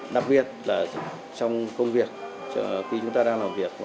đặc biệt là trong công việc khi chúng ta đang làm việc